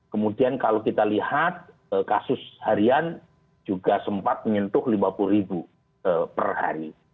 kemudian kalau kita lihat kasus harian juga sempat menyentuh lima puluh ribu per hari